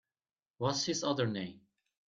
What’s his other name?